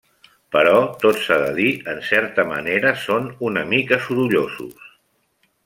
Però, tot s'ha de dir, en certa manera són una mica sorollosos.